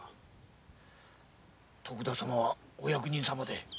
徳田様はお役人様で？